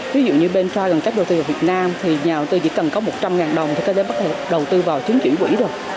ví dụ như bên trai gần cách đầu tư ở việt nam nhà đầu tư chỉ cần có một trăm linh đồng để bắt đầu tư vào trứng chỉ quỹ